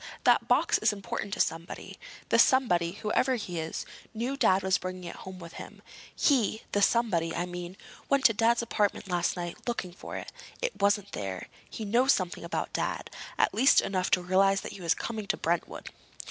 That box is important to somebody. The somebody, whoever he is, knew Dad was bringing it home with him. He—the somebody, I mean—went to Dad's apartment last night looking for it. It wasn't there. He knows something about Dad—at least enough to realize that he was coming to Brentwood.